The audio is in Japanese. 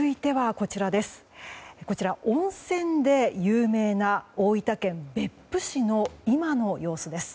こちら、温泉で有名な大分県別府市の今の様子です。